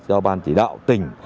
do ban chỉ đạo tỉnh